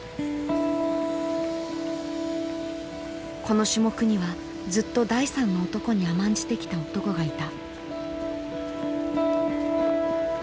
この種目にはずっと第３の男に甘んじてきた男がいた。